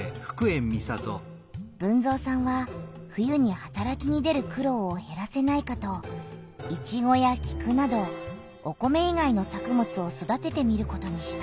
豊造さんは冬にはたらきに出る苦ろうをへらせないかとイチゴやキクなどお米いがいの作物を育ててみることにした。